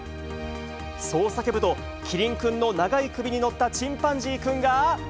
そう叫ぶと、キリンくんの長い首に乗ったチンパンジーくんが。